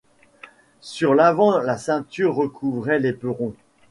Sur l'avant la ceinture recouvrait l'éperon.